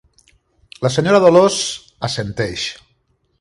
La senyora Dolors assenteix.